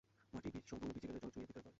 মাটি সম্পূর্ণ ভিজে গেলে জল চুঁইয়ে ভিতরে পড়ে।